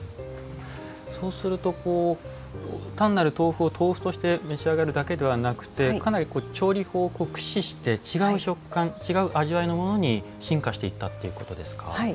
そうすると単なる豆腐を豆腐として召し上がるだけではなくてかなり調理法を駆使して違う食感違う味わいのものに進化していったっていうことですか？